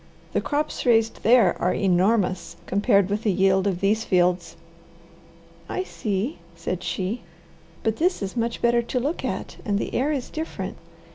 The crops raised there are enormous compared with the yield of these fields." "I see," said she. "But this is much better to look at and the air is different.